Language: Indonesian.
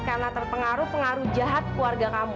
karena terpengaruh pengaruh jahat keluarga kamu